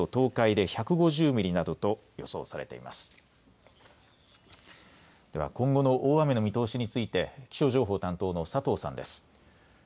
では今後の大雨の見通しについて気象情報担当の佐藤さんです。